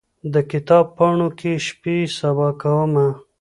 د کتاب پاڼو کې شپې سبا کومه